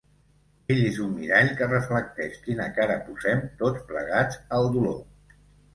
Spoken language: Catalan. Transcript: Ell és un mirall que reflecteix quina cara posem, tots plegats, al dolor.